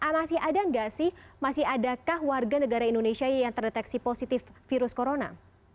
masih ada nggak sih masih adakah warga negara indonesia yang terdeteksi positif virus corona